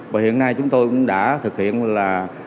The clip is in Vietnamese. và hiện nay chúng tôi cũng đã thực hiện là